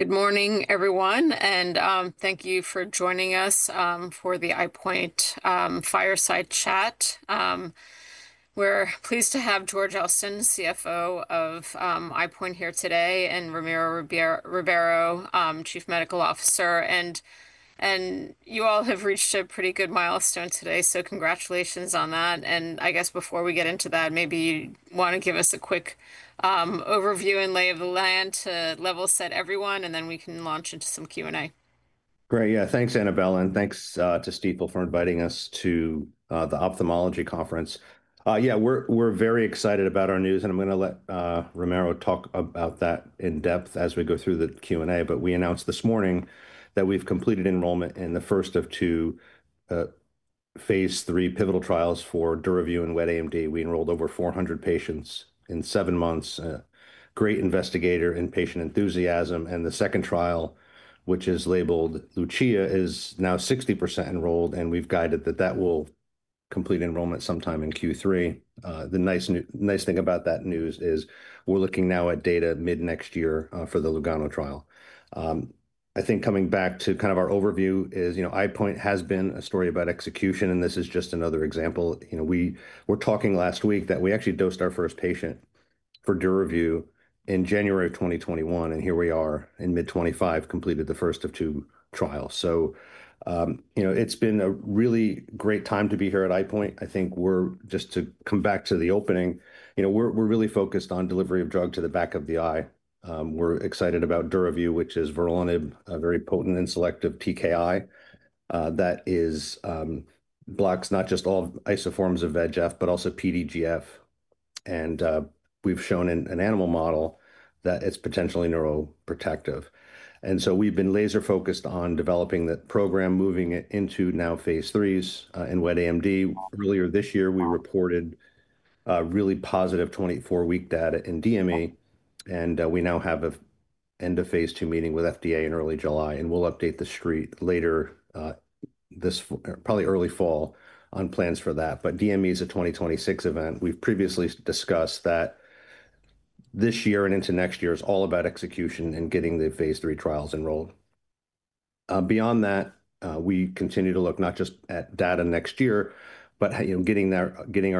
Good morning, everyone, and thank you for joining us for the EyePoint Pharmaceuticals chat. We're pleased to have George Elston, CFO of EyePoint, here today, and Ramiro Ribeiro, Chief Medical Officer. You all have reached a pretty good milestone today, so congratulations on that. I guess before we get into that, maybe you want to give us a quick overview and lay of the land to level set everyone, and then we can launch into some Q&A. Great. Yeah, thanks, Annabel, and thanks to Staples for inviting us to the Ophthalmology Conference. Yeah, we're very excited about our news, and I'm going to let Ramiro talk about that in depth as we go through the Q&A. We announced this morning that we've completed enrollment in the first of two phase III pivotal trials for DURAVYU in wet AMD. We enrolled over 400 patients in seven months. Great investigator and patient enthusiasm. The second trial, which is labeled Luchia, is now 60% enrolled, and we've guided that that will complete enrollment sometime in Q3. The nice thing about that news is we're looking now at data mid-next year for the Lugano trial. I think coming back to kind of our overview is, you know, EyePoint has been a story about execution, and this is just another example. You know, we were talking last week that we actually dosed our first patient for DURAVYU in January of 2021, and here we are in mid-2025, completed the first of two trials. You know, it's been a really great time to be here at EyePoint. I think we're just to come back to the opening, you know, we're really focused on delivery of drug to the back of the eye. We're excited about DURAVYU, which is vorolanib, a very potent and selective TKI that blocks not just all isoforms of VEGF, but also PDGF. We have shown in an animal model that it's potentially neuroprotective. You know, we've been laser-focused on developing that program, moving it into now phase IIIs in wet AMD. Earlier this year, we reported really positive 24-week data in DME, and we now have an end of phase II meeting with FDA in early July, and we'll update the street later this probably early fall on plans for that. DME is a 2026 event. We've previously discussed that this year and into next year is all about execution and getting the phase III trials enrolled. Beyond that, we continue to look not just at data next year, but, you know, getting our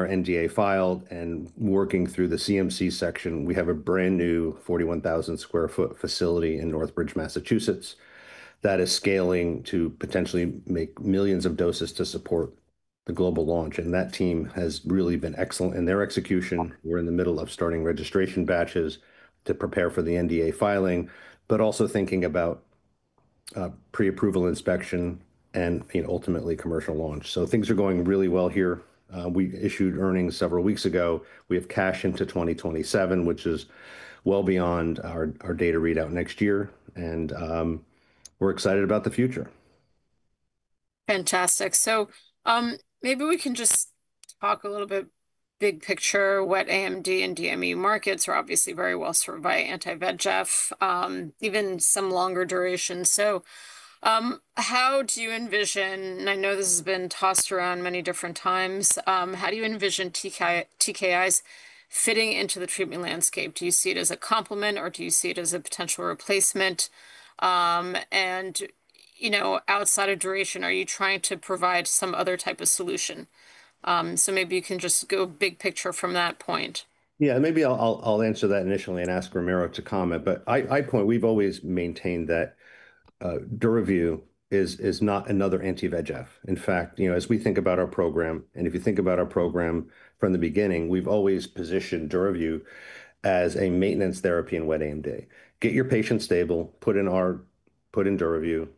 NDA filed and working through the CMC section. We have a brand new 41,000 sq ft facility in Northbridge, Massachusetts, that is scaling to potentially make millions of doses to support the global launch. That team has really been excellent in their execution. We're in the middle of starting registration batches to prepare for the NDA filing, but also thinking about pre-approval inspection and, you know, ultimately commercial launch. Things are going really well here. We issued earnings several weeks ago. We have cash into 2027, which is well beyond our data readout next year, and we're excited about the future. Fantastic. Maybe we can just talk a little bit big picture. Wet AMD and DME markets are obviously very well served by anti-VEGF, even some longer duration. How do you envision, and I know this has been tossed around many different times, how do you envision TKIs fitting into the treatment landscape? Do you see it as a complement, or do you see it as a potential replacement? You know, outside of duration, are you trying to provide some other type of solution? Maybe you can just go big picture from that point. Yeah, maybe I'll answer that initially and ask Ramiro to comment. At EyePoint, we've always maintained that DURAVYU is not another anti-VEGF. In fact, you know, as we think about our program, and if you think about our program from the beginning, we've always positioned DURAVYU as a maintenance therapy in wet AMD. Get your patient stable, put in DURAVYU.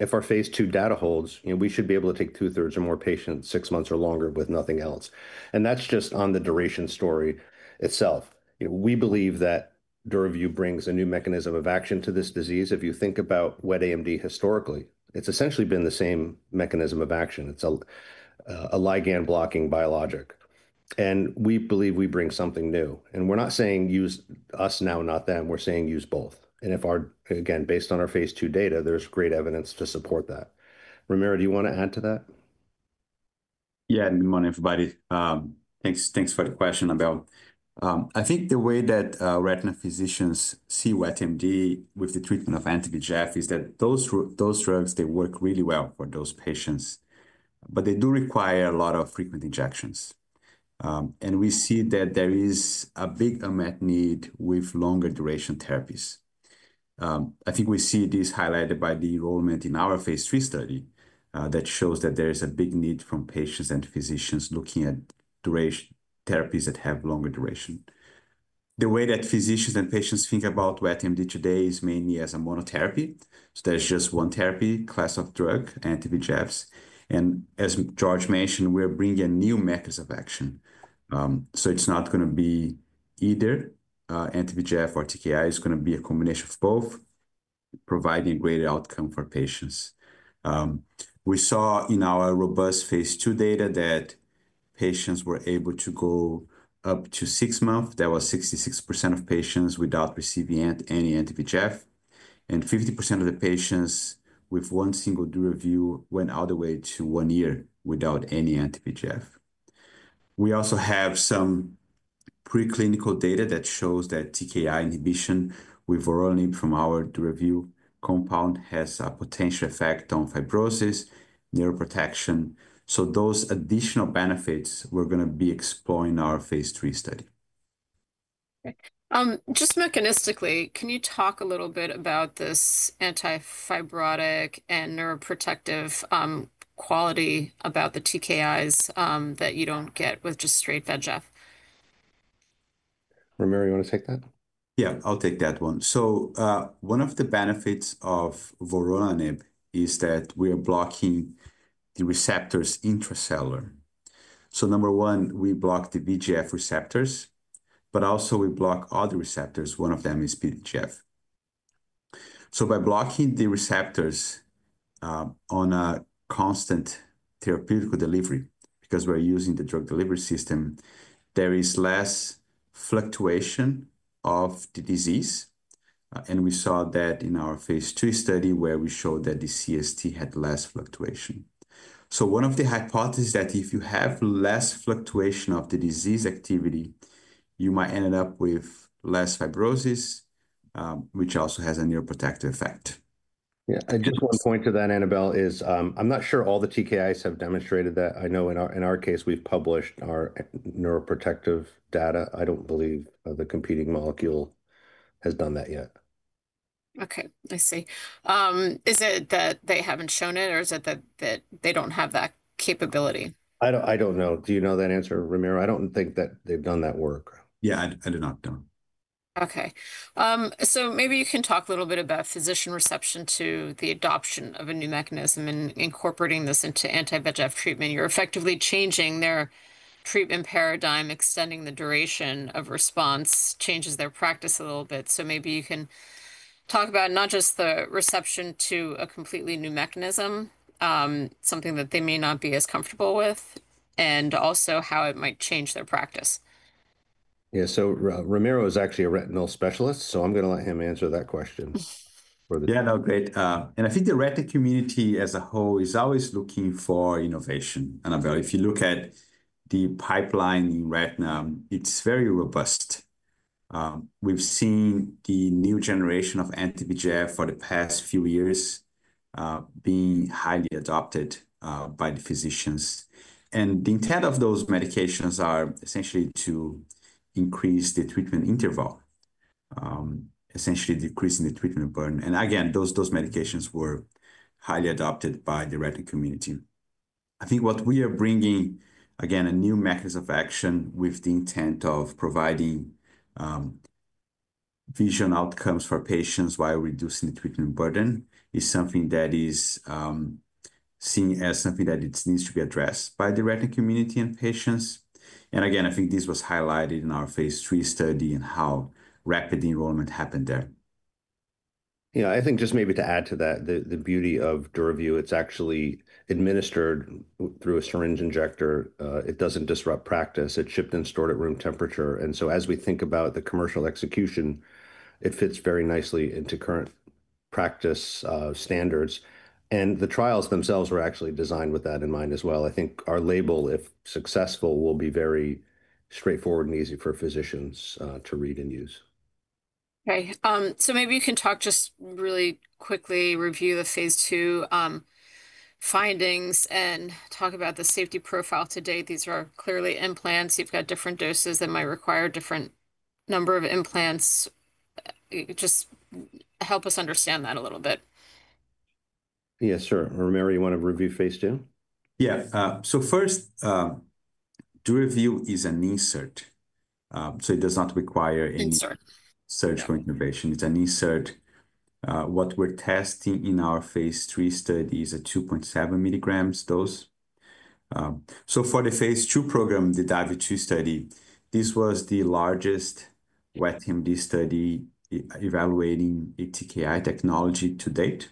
If our phase II data holds, you know, we should be able to take two-thirds or more patients six months or longer with nothing else. That's just on the duration story itself. You know, we believe that DURAVYU brings a new mechanism of action to this disease. If you think about wet AMD historically, it's essentially been the same mechanism of action. It's a ligand-blocking biologic. We believe we bring something new. We're not saying use us now, not them. We're saying use both. If our, again, based on our phase II data, there's great evidence to support that. Ramiro, do you want to add to that? Yeah, good morning, everybody. Thanks for the question about, I think the way that retina physicians see wet AMD with the treatment of anti-VEGF is that those drugs, they work really well for those patients, but they do require a lot of frequent injections. We see that there is a big unmet need with longer duration therapies. I think we see this highlighted by the enrollment in our phase III study that shows that there is a big need from patients and physicians looking at therapies that have longer duration. The way that physicians and patients think about wet AMD today is mainly as a monotherapy. There is just one therapy class of drug, anti-VEGFs. As George mentioned, we're bringing a new mechanism of action. It is not going to be either anti-VEGF or TKI. It is going to be a combination of both, providing greater outcome for patients. We saw in our robust phase II data that patients were able to go up to six months. That was 66% of patients without receiving any anti-VEGF. And 50% of the patients with one single DURAVYU went all the way to one year without any anti-VEGF. We also have some preclinical data that shows that TKI inhibition with vorolanib from our DURAVYU compound has a potential effect on fibrosis, neuroprotection. So those additional benefits we're going to be exploring in our phase III study. Just mechanistically, can you talk a little bit about this antifibrotic and neuroprotective quality about the TKIs that you don't get with just straight VEGF? Ramiro, you want to take that? Yeah, I'll take that one. One of the benefits of vorolanib is that we are blocking the receptors intracellular. Number one, we block the VEGF receptors, but also we block other receptors. One of them is PDGF. By blocking the receptors on a constant therapeutic delivery, because we're using the drug delivery system, there is less fluctuation of the disease. We saw that in our phase III study where we showed that the CST had less fluctuation. One of the hypotheses is that if you have less fluctuation of the disease activity, you might end up with less fibrosis, which also has a neuroprotective effect. Yeah, and just one point to that, Annabel, is I'm not sure all the TKIs have demonstrated that. I know in our case, we've published our neuroprotective data. I don't believe the competing molecule has done that yet. Okay, I see. Is it that they haven't shown it, or is it that they don't have that capability? I don't know. Do you know that answer, Ramiro? I don't think that they've done that work. Yeah, I do not know. Okay. Maybe you can talk a little bit about physician reception to the adoption of a new mechanism and incorporating this into anti-VEGF treatment. You're effectively changing their treatment paradigm, extending the duration of response, changes their practice a little bit. Maybe you can talk about not just the reception to a completely new mechanism, something that they may not be as comfortable with, and also how it might change their practice. Yeah, so Ramiro is actually a retinal specialist, so I'm going to let him answer that question. Yeah, no, great. I think the retina community as a whole is always looking for innovation. Annabel, if you look at the pipeline in retina, it is very robust. We have seen the new generation of anti-VEGF for the past few years being highly adopted by the physicians. The intent of those medications is essentially to increase the treatment interval, essentially decreasing the treatment burden. Those medications were highly adopted by the retina community. I think what we are bringing, a new mechanism of action with the intent of providing vision outcomes for patients while reducing the treatment burden, is something that is seen as something that needs to be addressed by the retina community and patients. I think this was highlighted in our phase III study and how rapid enrollment happened there. Yeah, I think just maybe to add to that, the beauty of DURAVYU, it's actually administered through a syringe injector. It doesn't disrupt practice. It's shipped and stored at room temperature. As we think about the commercial execution, it fits very nicely into current practice standards. The trials themselves were actually designed with that in mind as well. I think our label, if successful, will be very straightforward and easy for physicians to read and use. Okay. Maybe you can talk just really quickly, review the phase II findings and talk about the safety profile today. These are clearly implants. You've got different doses that might require a different number of implants. Just help us understand that a little bit. Yeah, sure. Ramiro, you want to review phase II? Yeah. First, DURAVYU is an insert. It does not require any. Insert. Search for innovation. It's an insert. What we're testing in our phase III study is a 2.7 milligrams dose. For the phase II program, the DAVIO study, this was the largest wet AMD study evaluating a TKI technology to date.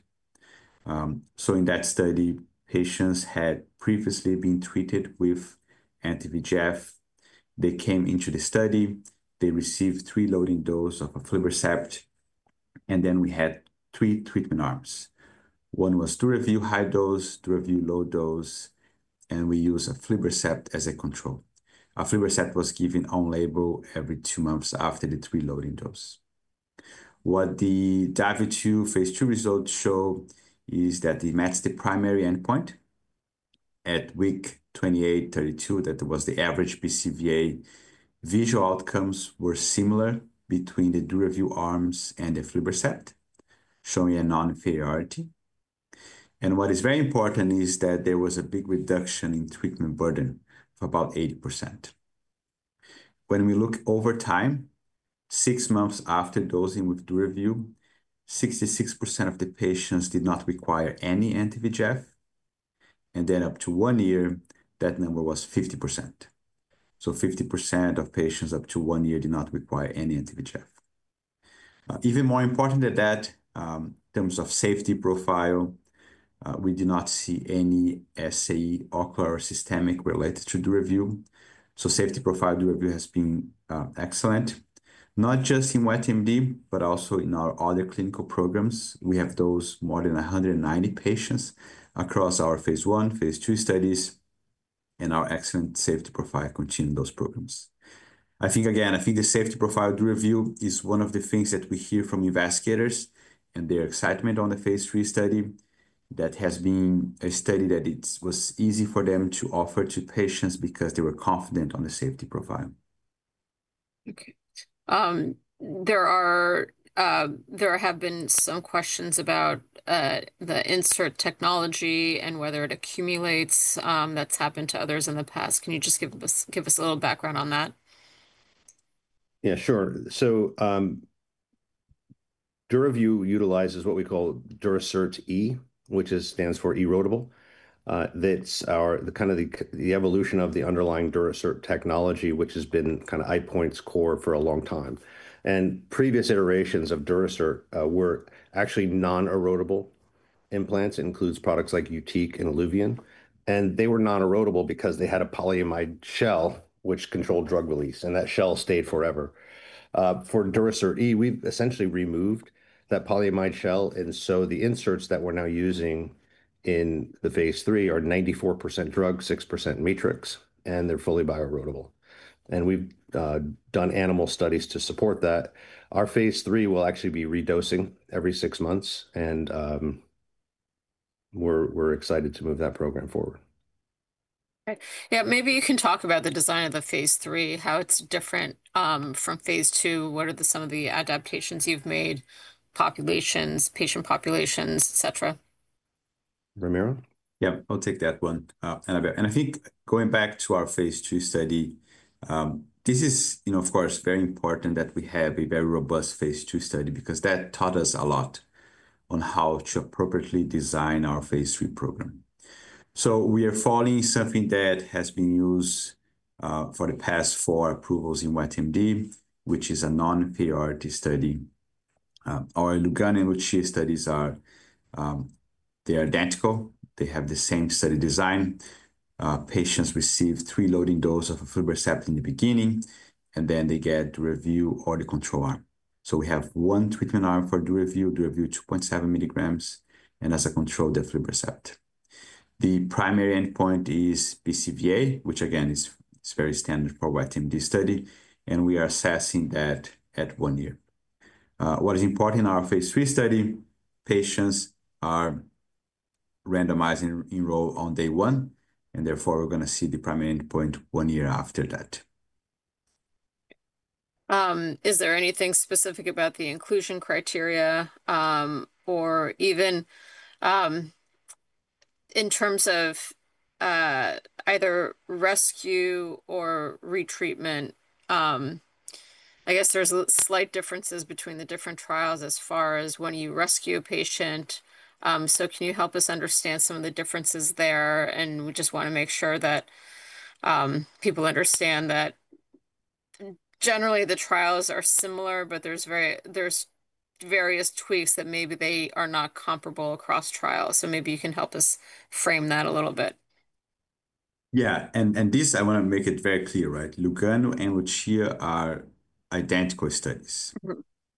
In that study, patients had previously been treated with anti-VEGF. They came into the study. They received three loading doses of aflibercept. Then we had three treatment arms. One was DURAVYU high dose, DURAVYU low dose, and we used aflibercept as a control. Aflibercept was given on label every two months after the three loading doses. What the DAVIO phase II results show is that it matched the primary endpoint at week 28, 32, that was the average BCVA. Visual outcomes were similar between the DURAVYU arms and the aflibercept, showing a noninferiority. What is very important is that there was a big reduction in treatment burden for about 80%. When we look over time, six months after dosing with DURAVYU, 66% of the patients did not require any anti-VEGF. Up to one year, that number was 50%. So 50% of patients up to one year did not require any anti-VEGF. Even more important than that, in terms of safety profile, we did not see any SAE, ocular or systemic, related to DURAVYU. The safety profile of DURAVYU has been excellent, not just in wet AMD, but also in our other clinical programs. We have those more than 190 patients across our phase I, phase II studies, and our excellent safety profile continued in those programs. I think, again, I think the safety profile DURAVYU is one of the things that we hear from investigators and their excitement on the phase III study that has been a study that it was easy for them to offer to patients because they were confident on the safety profile. Okay. There have been some questions about the insert technology and whether it accumulates. That's happened to others in the past. Can you just give us a little background on that? Yeah, sure. DURAVYU utilizes what we call Duracert E, which stands for erodable. That's kind of the evolution of the underlying Duracert technology, which has been kind of EyePoint's core for a long time. Previous iterations of Duracert were actually non-erodable implants. It includes products like Eutique and Iluvien. They were non-erodable because they had a polyamide shell, which controlled drug release. That shell stayed forever. For Duracert E, we've essentially removed that polyamide shell. The inserts that we're now using in the phase III are 94% drug, 6% matrix, and they're fully bioerodable. We've done animal studies to support that. Our phase III will actually be redosing every six months. We're excited to move that program forward. Yeah, maybe you can talk about the design of the phase III, how it's different from phase II. What are some of the adaptations you've made, populations, patient populations, etc.? Ramiro? Yeah, I'll take that one. I think going back to our phase II study, this is, you know, of course, very important that we have a very robust phase II study because that taught us a lot on how to appropriately design our phase III program. We are following something that has been used for the past four approvals in wet AMD, which is a noninferiority study. Our Lugano and Luchia studies are identical. They have the same study design. Patients receive three loading doses of aflibercept in the beginning, and then they get DURAVYU or the control arm. We have one treatment arm for DURAVYU, DURAVYU 2.7 milligrams, and as a control, the aflibercept. The primary endpoint is BCVA, which again is very standard for wet AMD study. We are assessing that at one year. What is important in our phase III study, patients are randomized enrolled on day one. Therefore, we're going to see the primary endpoint one year after that. Is there anything specific about the inclusion criteria or even in terms of either rescue or retreatment? I guess there's slight differences between the different trials as far as when you rescue a patient. Can you help us understand some of the differences there? We just want to make sure that people understand that generally the trials are similar, but there's various tweaks that maybe they are not comparable across trials. Maybe you can help us frame that a little bit. Yeah. I want to make it very clear, right? Lugano and Luchia are identical studies.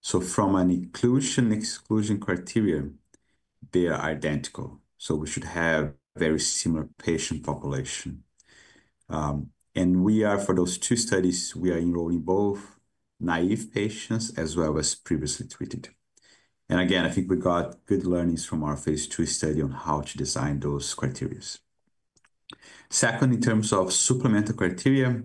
From an inclusion and exclusion criteria, they are identical. We should have a very similar patient population. For those two studies, we are enrolling both naive patients as well as previously treated. I think we got good learnings from our phase II study on how to design those criteria. In terms of supplemental criteria,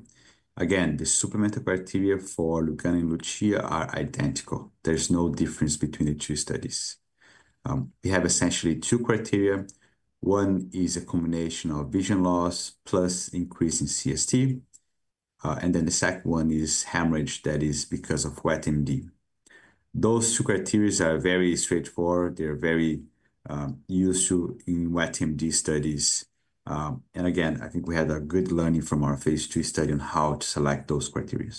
the supplemental criteria for Lugano and Luchia are identical. There is no difference between the two studies. We have essentially two criteria. One is a combination of vision loss plus increase in CST. The second one is hemorrhage that is because of wet AMD. Those two criteria are very straightforward. They are very useful in wet AMD studies. I think we had a good learning from our phase II study on how to select those criteria.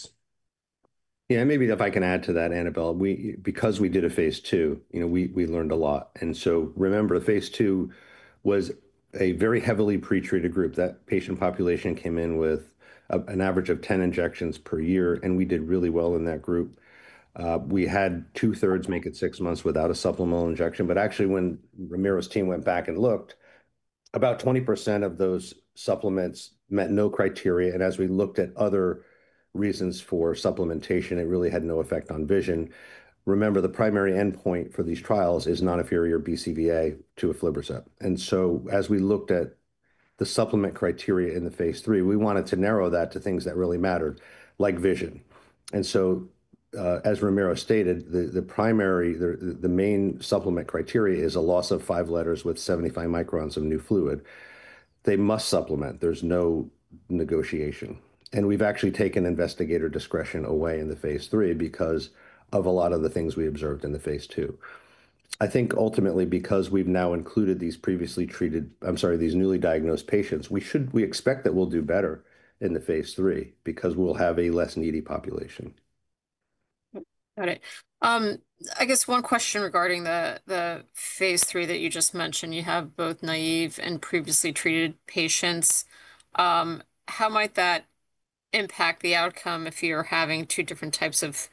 Yeah, and maybe if I can add to that, Annabel, because we did a phase II, you know, we learned a lot. Remember, the phase II was a very heavily pretreated group. That patient population came in with an average of 10 injections per year. We did really well in that group. We had two-thirds make it six months without a supplemental injection. Actually, when Ramiro's team went back and looked, about 20% of those supplements met no criteria. As we looked at other reasons for supplementation, it really had no effect on vision. Remember, the primary endpoint for these trials is noninferior BCVA to aflibercept. As we looked at the supplement criteria in the phase III, we wanted to narrow that to things that really mattered, like vision. As Ramiro stated, the primary, the main supplement criteria is a loss of five letters with 75 microns of new fluid. They must supplement. There is no negotiation. We have actually taken investigator discretion away in the phase III because of a lot of the things we observed in the phase II. I think ultimately, because we have now included these previously treated, I am sorry, these newly diagnosed patients, we expect that we will do better in the phase III because we will have a less needy population. Got it. I guess one question regarding the phase III that you just mentioned. You have both naive and previously treated patients. How might that impact the outcome if you're having two different types of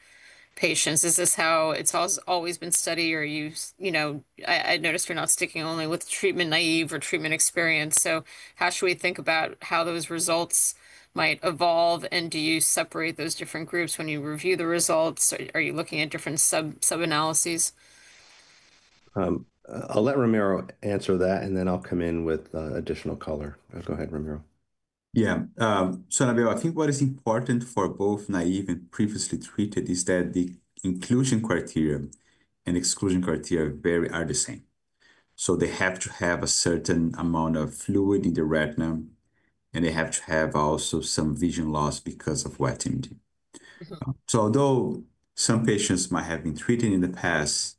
patients? Is this how it's always been studied? Or, you know, I noticed you're not sticking only with treatment naive or treatment experienced. So how should we think about how those results might evolve? And do you separate those different groups when you review the results? Are you looking at different sub-analyses? I'll let Ramiro answer that, and then I'll come in with additional color. Go ahead, Ramiro. Yeah. I think what is important for both naive and previously treated is that the inclusion criteria and exclusion criteria are the same. They have to have a certain amount of fluid in the retina, and they have to have also some vision loss because of wet AMD. Although some patients might have been treated in the past,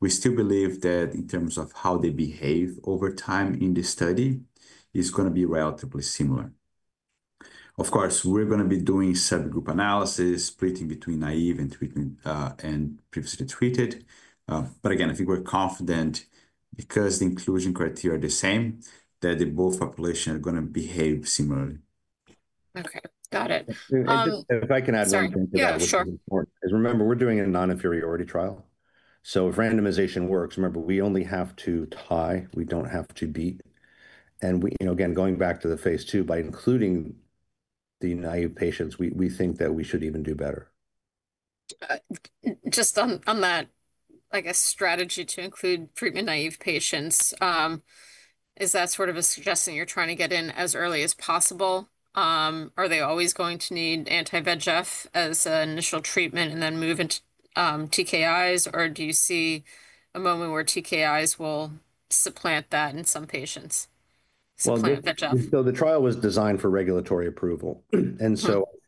we still believe that in terms of how they behave over time in the study, it's going to be relatively similar. Of course, we're going to be doing subgroup analysis, splitting between naive and previously treated. Again, I think we're confident because the inclusion criteria are the same, that both populations are going to behave similarly. Okay. Got it. If I can add one thing to that. Yeah, sure. Remember, we're doing a noninferiority trial. If randomization works, remember, we only have to tie. We don't have to beat. Again, going back to the phase II, by including the naive patients, we think that we should even do better. Just on that, I guess, strategy to include treatment naive patients, is that sort of a suggestion you're trying to get in as early as possible? Are they always going to need anti-VEGF as an initial treatment and then move into TKIs? Or do you see a moment where TKIs will supplant that in some patients? The trial was designed for regulatory approval. I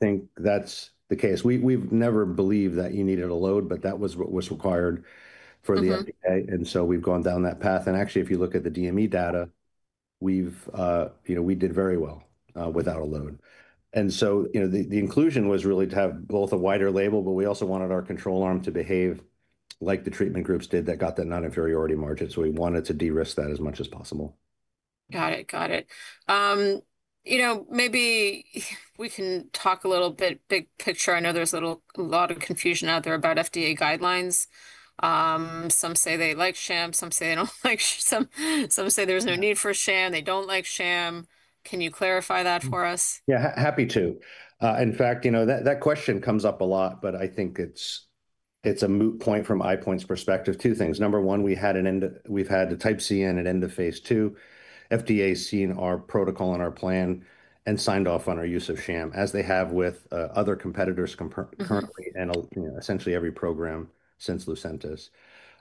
think that's the case. We've never believed that you needed a load, but that was what was required for the FDA. We've gone down that path. Actually, if you look at the DME data, we did very well without a load. The inclusion was really to have both a wider label, but we also wanted our control arm to behave like the treatment groups did that got that noninferiority margin. We wanted to de-risk that as much as possible. Got it. Got it. You know, maybe we can talk a little bit big picture. I know there's a lot of confusion out there about FDA guidelines. Some say they like sham. Some say they don't like sham. Some say there's no need for sham. They don't like sham. Can you clarify that for us? Yeah, happy to. In fact, you know, that question comes up a lot, but I think it's a moot point from EyePoint's perspective. Two things. Number one, we've had a type C and end of phase II. FDA has seen our protocol and our plan and signed off on our use of sham, as they have with other competitors currently and essentially every program since Lucentis.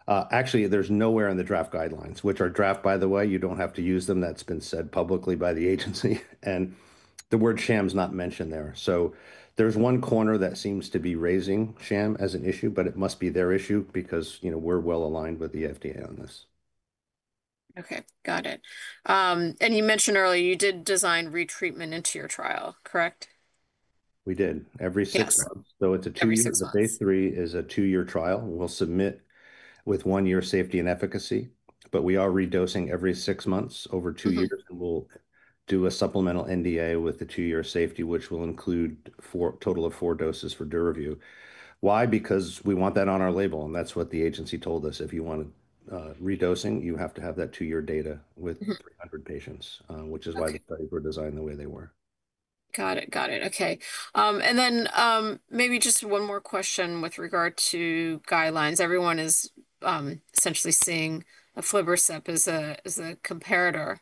Actually, there's nowhere in the draft guidelines, which are draft, by the way. You don't have to use them. That's been said publicly by the agency. And the word sham is not mentioned there. So there's one corner that seems to be raising sham as an issue, but it must be their issue because we're well aligned with the FDA on this. Okay. Got it. You mentioned earlier you did design retreatment into your trial, correct? We did. Every six months. It is a two-year. The phase III is a two-year trial. We will submit with one year safety and efficacy. We are redosing every six months over two years. We will do a supplemental NDA with the two-year safety, which will include a total of four doses for DURAVYU. Why? Because we want that on our label. That is what the agency told us. If you want redosing, you have to have that two-year data with 300 patients, which is why the studies were designed the way they were. Got it. Got it. Okay. Maybe just one more question with regard to guidelines. Everyone is essentially seeing aflibercept as a comparator.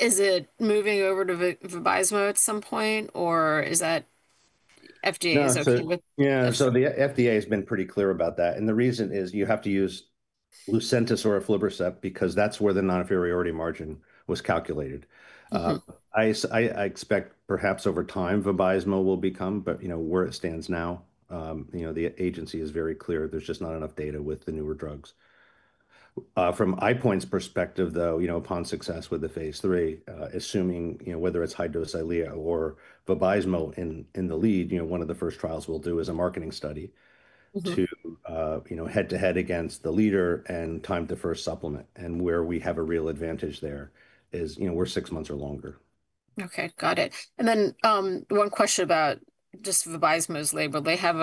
Is it moving over to Vabysmo at some point, or is that FDA is okay with? Yeah. The FDA has been pretty clear about that. The reason is you have to use Lucentis or Eylea because that's where the noninferiority margin was calculated. I expect perhaps over time, Vabysmo will become, but where it stands now, the agency is very clear. There's just not enough data with the newer drugs. From EyePoint's perspective, though, upon success with the phase III, assuming whether it's high-dose Eylea or Vabysmo in the lead, one of the first trials we'll do is a marketing study to head-to-head against the leader and time to first supplement. Where we have a real advantage there is we're six months or longer. Okay. Got it. One question about just Vabysmo's label. They have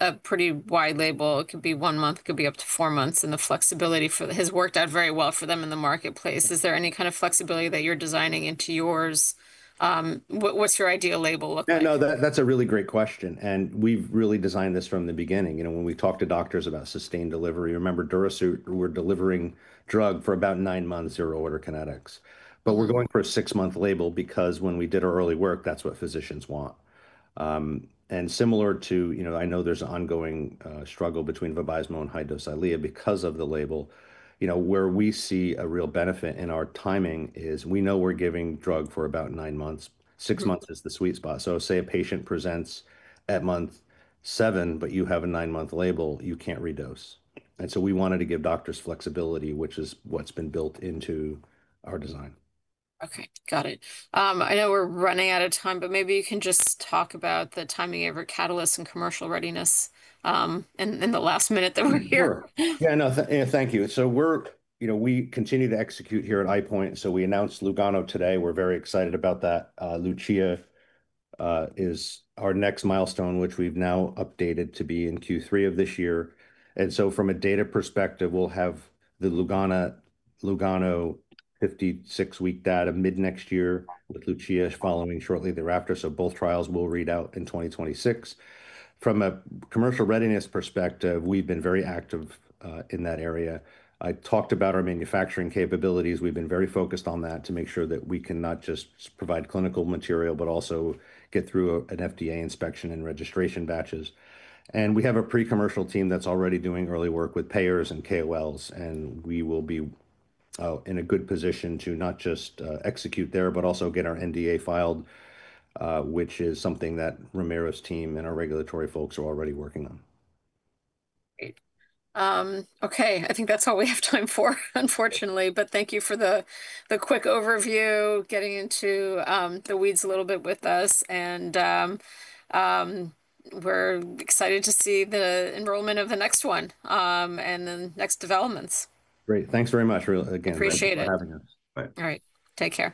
a pretty wide label. It could be one month. It could be up to four months. The flexibility has worked out very well for them in the marketplace. Is there any kind of flexibility that you're designing into yours? What's your ideal label look like? No, no, that's a really great question. We've really designed this from the beginning. When we talk to doctors about sustained delivery, remember, Duracert, we're delivering drug for about nine months, zero order kinetics. We're going for a six-month label because when we did our early work, that's what physicians want. Similar to, I know there's an ongoing struggle between Vabysmo and high-dose Eylea because of the label. Where we see a real benefit in our timing is we know we're giving drug for about nine months. Six months is the sweet spot. Say a patient presents at month seven, but you have a nine-month label, you can't redose. We wanted to give doctors flexibility, which is what's been built into our design. Okay. Got it. I know we're running out of time, but maybe you can just talk about the timing of your catalysts and commercial readiness in the last minute that we're here. Sure. Yeah, no, thank you. We continue to execute here at EyePoint. We announced Lugano today. We're very excited about that. Luccia is our next milestone, which we've now updated to be in Q3 of this year. From a data perspective, we'll have the Lugano 56-week data mid-next year with Luccia following shortly thereafter. Both trials will read out in 2026. From a commercial readiness perspective, we've been very active in that area. I talked about our manufacturing capabilities. We've been very focused on that to make sure that we can not just provide clinical material, but also get through an FDA inspection and registration batches. We have a pre-commercial team that's already doing early work with payers and KOLs. We will be in a good position to not just execute there, but also get our NDA filed, which is something that Ramiro's team and our regulatory folks are already working on. Great. Okay. I think that's all we have time for, unfortunately. Thank you for the quick overview, getting into the weeds a little bit with us. We're excited to see the enrollment of the next one and the next developments. Great. Thanks very much, again, for having us. Appreciate it. All right. Take care.